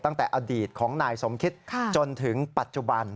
ตั้งแต่อดีตของนายสมคิตจนถึงปัจจุบัน